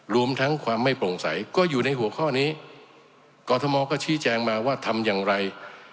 รวมทั้งความไม่โปร่งใสก็อยู่ในหัวข้อนี้กรทมก็ชี้แจงมาว่าทำอย่างไร